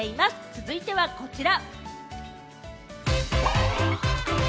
続いてはこちら。